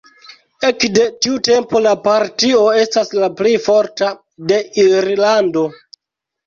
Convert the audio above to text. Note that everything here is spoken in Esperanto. Ekde tiu tempo la partio estas la plej forta de Irlando.